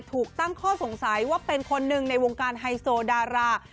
ถูกตั้งข้อสงสัยว่าเป็นคนหนึ่งในวงการไฮโซดารา